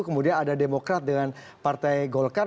kemudian ada demokrat dengan partai golkar